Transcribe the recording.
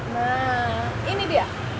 nah ini dia